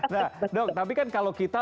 nah dok tapi kan kalau kita